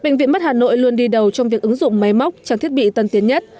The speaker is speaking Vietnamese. bệnh viện mắt hà nội luôn đi đầu trong việc ứng dụng máy móc trang thiết bị tân tiến nhất